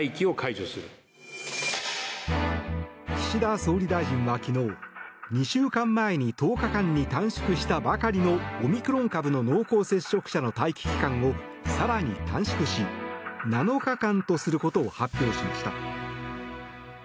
岸田総理大臣は昨日２週間前に１０日間に短縮したばかりのオミクロン株の濃厚接触者の待機期間を更に短縮し、７日間とすることを発表しました。